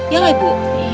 ya gak ibu